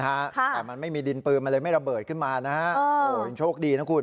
แต่มันไม่มีดินปืนมันเลยไม่ระเบิดขึ้นมานะฮะโอ้โหยังโชคดีนะคุณ